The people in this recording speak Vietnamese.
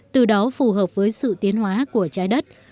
từ đó phù hợp với sự tiến hóa của trái đất